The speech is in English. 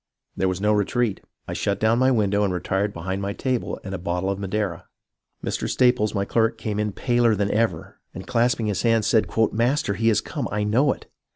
There was no retreat. I shut down my window and retired behind my table and bottle of madeira. Mr. Staples, my clerk, came in paler than ever, and, clasp ing his hands, said :' Master, he is come. I know it.